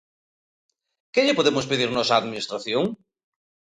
¿Que lle podemos pedir nós á Administración?